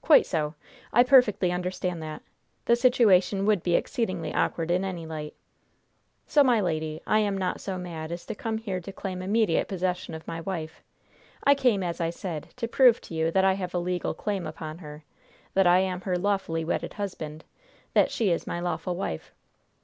"Quite so. I perfectly understand that. The situation would be exceedingly awkward in any light. So, my lady, I am not so mad as to come here to claim immediate possession of my wife. I came, as I said, to prove to you that I have a legal claim upon her; that I am her lawfully wedded husband; that she is my lawful wife.